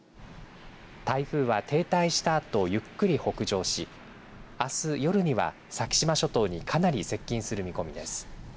台風は停滞したあとゆっくり北上しあす夜には、先島諸島にかなり接近する見込みです。